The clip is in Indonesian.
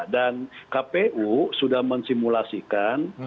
dan kpu sudah mensimulasikan